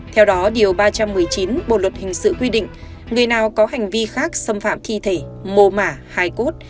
theo đó điều ba trăm một mươi chín bộ luật hình sự quy định người nào có hành vi khác xâm phạm thi thể mô mả hài cốt